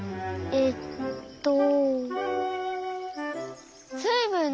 えっと。